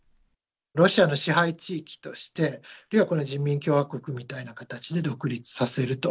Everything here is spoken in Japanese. ロシアの支配地域として、人民共和国みたいな形で独立させると。